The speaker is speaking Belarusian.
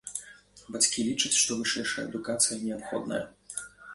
Бацькі лічаць, што вышэйшая адукацыя неабходная.